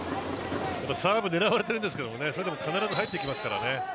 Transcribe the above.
サーブ狙われているんですけどそれでも必ず入ってきますからね。